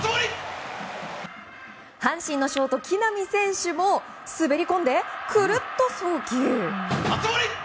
阪神のショート木浪選手も滑り込んで、くるっと送球。